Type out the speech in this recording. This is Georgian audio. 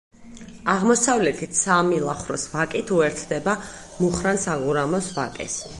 აღმოსავლეთით საამილახვროს ვაკით უერთდება მუხრან-საგურამოს ვაკეს.